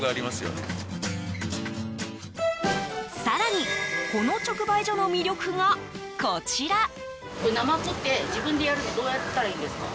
更に、この直売所の魅力がこちら。